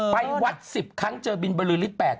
ไปวัดสิบครั้งเจอบินบริษฐ์แปด